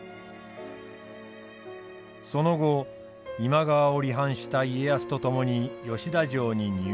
その後今川を離反した家康と共に吉田城に入城。